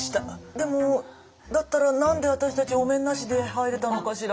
でもだったら何で私たちお面なしで入れたのかしら。